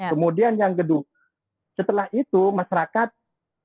kemudian yang kedua setelah itu masyarakat